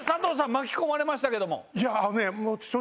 巻き込まれましたけども。